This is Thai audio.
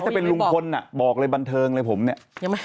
ถ้าเป็นลุงคนอะบอกเลยบรรเทิงเลยผมเนี้ยยังไหมเพราะ